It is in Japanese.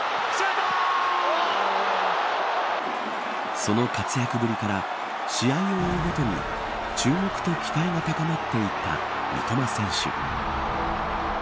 その活躍ぶりから試合を追うごとに注目と期待が高まっていった三笘選手。